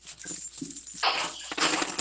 زموږ پاڼه د ښوونکي لخوا وړاندي کیږي.